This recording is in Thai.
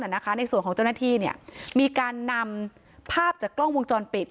ในส่วนของเจ้าหน้าที่มีการนำภาพจากกล้องวงจรปิด